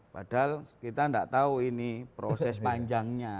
padahal kita tidak tahu ini proses panjangnya